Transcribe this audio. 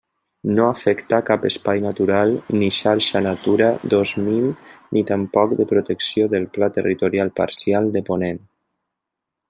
No afecta cap espai natural, ni xarxa Natura dos mil ni tampoc de protecció del Pla territorial parcial de Ponent.